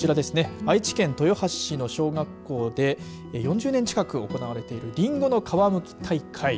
愛知県豊橋市の小学校で４０年近く行われているりんごの皮むき大会。